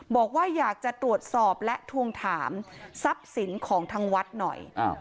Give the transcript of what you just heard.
บอกว่าอยากจะตรวจสอบและทวงถามทรัพย์สินของทางวัดหน่อย